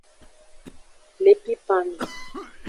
Le pipan me.